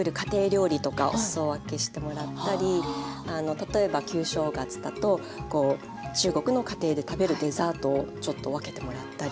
例えば旧正月だと中国の家庭で食べるデザートをちょっと分けてもらったり。